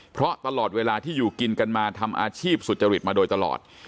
เพราะตลอดเวลาที่อยู่กินกันมาทำอาชีพสุจริตมาโดยตลอด